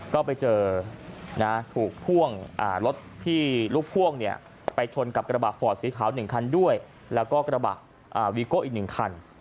ก็ไปเจอรถที่ลูกพ่วงไปชนกับสีขาวเรือกแล้วก็กระบะอีกหนึ่งคัน